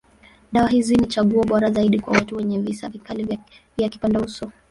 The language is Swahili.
Dawa hizi ni chaguo bora zaidi kwa watu wenye visa vikali ya kipandauso.